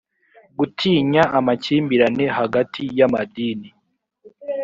gutinya amakimbirane hagati y amadini